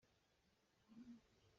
Cal saruh chon in a um.